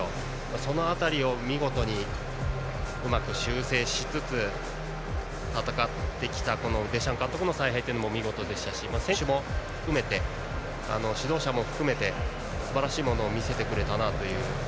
その辺りを見事にうまく修正しつつ戦ってきたデシャン監督の采配も見事でしたし選手も含めて、指導者も含めてすばらしいものを見せてくれたなという。